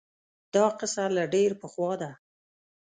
دا قصه له ډېر پخوا ده